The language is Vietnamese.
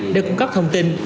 đều cung cấp thông tin